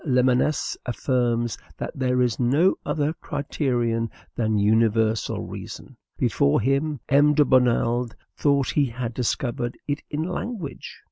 Lamennais affirms that there is no other criterion than universal reason. Before him, M. de Bonald thought he had discovered it in language.